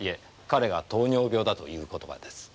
彼が糖尿病だということがです。